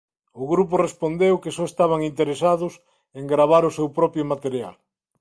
O grupo respondeu que só estaban interesados en gravar o seu propio material.